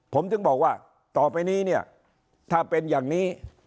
ผมถึงบอกว่าต่อไปนี้เนี่ยถ้าเป็นอย่างนี้